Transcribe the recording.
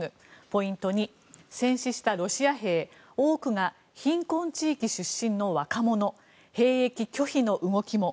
ポイント２、戦死したロシア兵多くが貧困地域出身の若者兵役拒否の動きも。